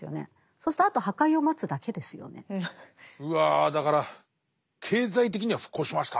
そうするとあとうわだから経済的には復興しました。